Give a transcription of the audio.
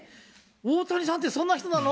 大谷さんってそんな人なの？